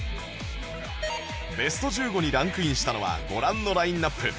ベスト１５にランクインしたのはご覧のラインアップ